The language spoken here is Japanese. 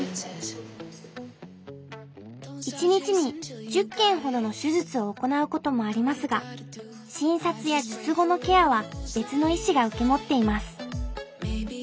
一日に１０件ほどの手術を行うこともありますが診察や術後のケアは別の医師が受け持っています。